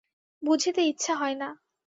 বুঝিতে ইচ্ছা হয় না।